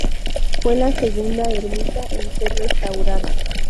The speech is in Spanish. Fue la segunda ermita en ser restaurada.